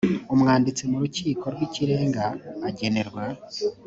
umwanditsi mu rukiko rw ikirenga agenerwa